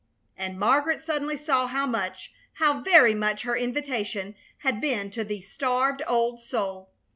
And Margaret suddenly saw how much, how very much, her invitation had been to the starved old soul.